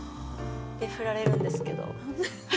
でフラれるんですけど。